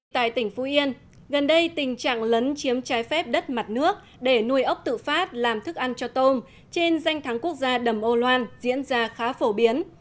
tại tỉnh phú yên gần đây tình trạng lấn chiếm trái phép đất mặt nước để nuôi ốc tự phát làm thức ăn cho tôm trên danh thắng quốc gia đầm âu loan diễn ra khá phổ biến